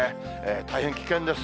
大変危険です。